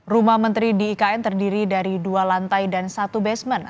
rumah menteri di ikn terdiri dari dua lantai dan satu basement